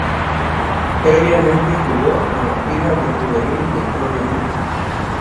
Previamente jugó en las filas del juvenil del propio club.